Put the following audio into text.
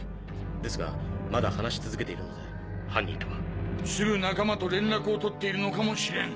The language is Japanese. ですがまだ話し続けているので犯人とは。すぐ仲間と連絡を取っているのかもしれん。